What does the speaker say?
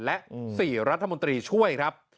และ๔รัฐมนตรีช่วยครับ